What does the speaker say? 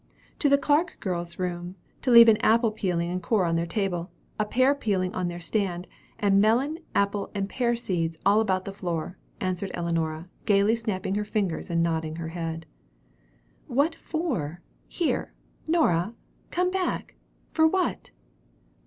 "To the Clark girls' room, to leave an apple peeling and core on their table, a pear pealing on their stand, and melon, apple, and pear seeds all about the floor," answered Ellinora, gaily snapping her fingers, and nodding her head. "What for? Here, Nora; come back. For what?"